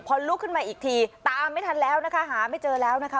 พอลุกขึ้นมาอีกทีตามไม่ทันแล้วนะคะหาไม่เจอแล้วนะคะ